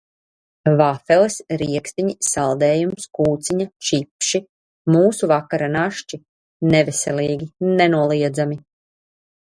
Vafeles, riekstiņi, saldējums, kūciņa, čipši - mūsu vakara našķi, neveselīgi nenoliedzami.